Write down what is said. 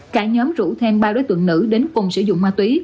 cả nhóm rủ thêm ba đối tượng nữ đến cùng sử dụng ma túy